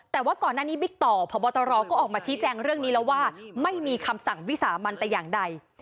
แต่ว่าก่อนหน้านี้บิ๊กต่อพบตรก็ออกมาชี้แจงเรื่องนี้แล้วว่าไม่มีคำสั่งวิสามันแต่อย่างใด